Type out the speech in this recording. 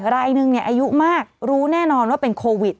รายหนึ่งอายุมากรู้แน่นอนว่าเป็นโควิด